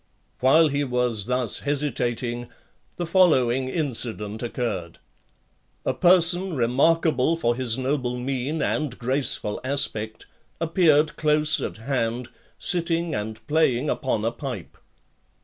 XXXII. While he was thus hesitating, the following incident occurred. A person remarkable for his noble mien and graceful aspect, appeared close at hand, sitting and playing upon a pipe.